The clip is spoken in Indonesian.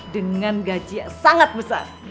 dengan gaji yang sangat besar